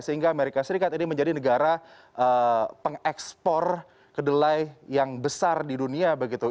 sehingga amerika serikat ini menjadi negara pengekspor kedelai yang besar di dunia begitu